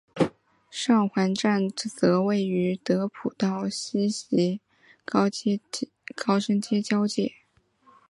上环站则位于德辅道西及高升街交界。